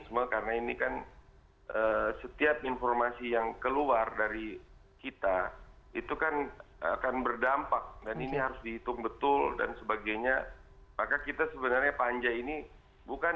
menteri kesehatan semua melakukan